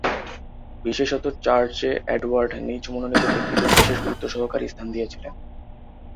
বিশেষত চার্চে এডওয়ার্ড নিজ মনোনীত ব্যক্তিদের বিশেষ গুরুত্ব সহকারে স্থান দিয়েছিলেন।